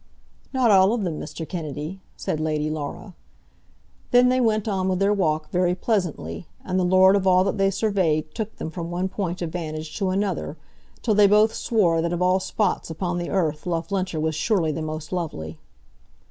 "Not all of them, Mr. Kennedy," said Lady Laura. Then they went on with their walk very pleasantly, and the lord of all that they surveyed took them from one point of vantage to another, till they both swore that of all spots upon the earth Loughlinter was surely the most lovely.